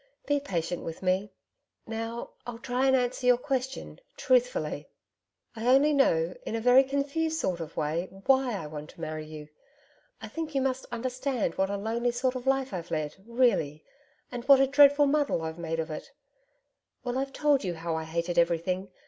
Be patient with me.... Now, I'll try and answer your question truthfully. I only know in a very confused sort of way WHY I want to marry you.... I think you must understand what a lonely sort of life I've led, really and what a dreadful muddle I've made of it Well, I've told you how I hated everything.